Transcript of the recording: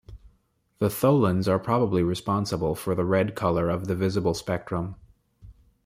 The tholins are probably responsible for the red color of the visible spectrum.